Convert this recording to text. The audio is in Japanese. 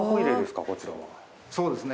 そうですね